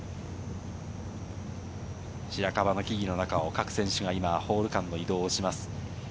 白樺の木々の中を各選手がホール間の移動をします。